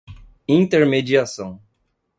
intermediação